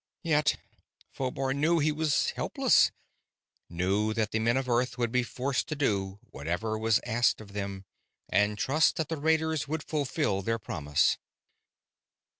Yet Phobar knew he was helpless, knew that the men of Earth would be forced to do whatever was asked of them, and trust that the raiders would fulfill their promise.